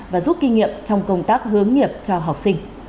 và giúp kinh nghiệm trong công tác hướng nghiệp cho học sinh